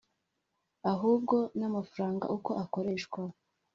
Ahubwo n’amafaranga uko akoreshwa